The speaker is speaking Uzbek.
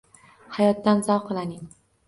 Hayotdan zavqlaning